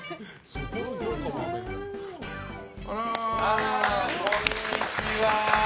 あらら、こんにちは。